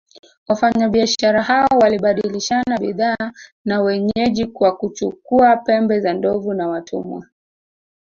Wafanyabiashara hao walibadilishana bidhaa na wenyeji kwa kuchukua pembe za ndovu na watumwa